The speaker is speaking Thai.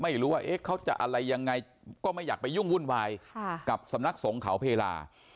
ไม่รู้ว่าเขาจะอะไรยังไงก็ไม่อยากไปยุ่งวุ่นวายกับสำนักสงเขาเพลา